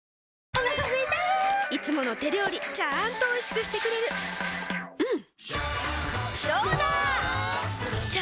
お腹すいたいつもの手料理ちゃんとおいしくしてくれるジューうんどうだわ！